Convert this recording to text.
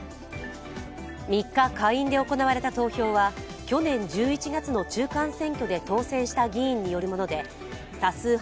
３日、下院で行われた投票は去年１１月の中間選挙で当選した議員によるもので、多数派、